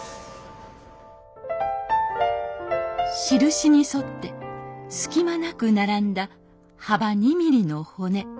印に沿って隙間なく並んだ幅２ミリの骨。